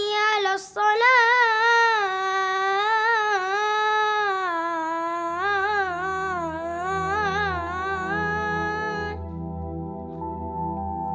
ya allah aku berdoa kepada tuhan